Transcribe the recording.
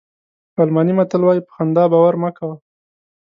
الماني متل وایي په خندا باور مه کوه.